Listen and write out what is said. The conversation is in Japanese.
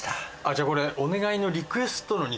じゃあこれお願いのリクエストの肉？